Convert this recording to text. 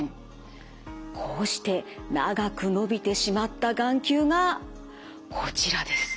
こうして長く伸びてしまった眼球がこちらです。